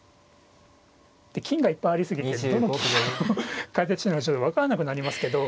で金がいっぱいありすぎてどの金を解説してるのか分からなくなりますけど。